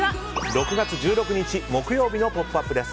６月１６日木曜日の「ポップＵＰ！」です。